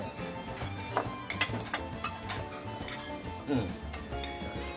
うん！